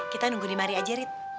kita nunggu di mari aja red